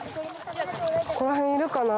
ここら辺いるかな？